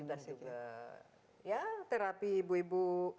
dan juga terapi ibu ibu